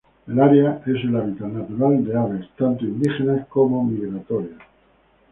El área es el hábitat natural de aves tanto indígenas como migratorias.